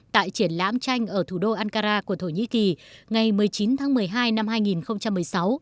tại triển lãm tranh ở thủ đô ankara của thổ nhĩ kỳ ngày một mươi chín tháng một mươi hai năm hai nghìn một mươi sáu